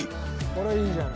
これいいじゃん。